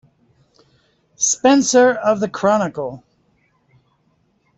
Spencer of the Chronicle.